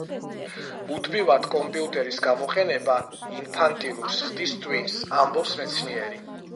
მუდმივად კომპიუტერის გამოყენება ინფანტილურს ხდის ტვინს – ამბობს მეცნიერი.